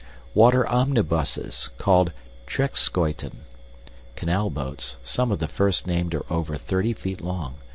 Water omnibuses, called trekschuiten, *{Canal boats. Some of the first named are over thirty feet long.